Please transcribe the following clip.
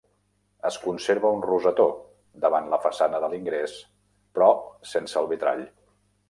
Es conserva un rosetó, davant la façana de l'ingrés, però sense el vitrall.